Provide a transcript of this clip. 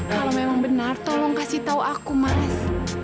kalau memang benar tolong kasih tahu aku males